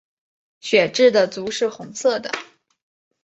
血雉的足是红色的。